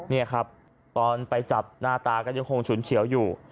นี่ครับตอนไปจับหน้าตาก็ยังคงฉุนเฉียวอยู่